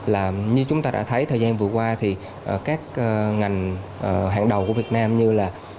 là như chúng ta đã thấy thời gian vừa qua thì các ngành hàng đầu của việt nam như là